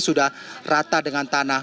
sudah rata dengan tanah